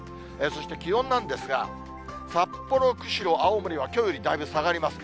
そして気温なんですが、札幌、釧路、青森は、きょうよりだいぶ下がります。